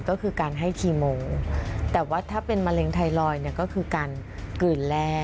ก็คือการให้คีโมแต่ว่าถ้าเป็นมะเร็งไทรอยด์เนี่ยก็คือการกลืนแรก